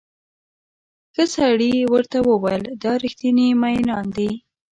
ښه سړي ورته وویل دا ریښتیني مئینان دي.